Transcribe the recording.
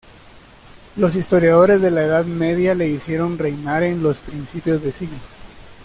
Los historiadores de la Edad Media le hicieron reinar en los principios de siglo.